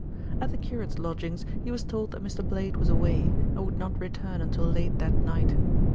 At the curate's lodgings he was told that Mr. Blade was away, and would not return until late that night.